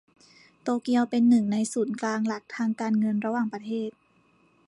โตเกียวเป็น หนึ่ง ในศูนย์กลางหลักทางการเงินระหว่างประเทศ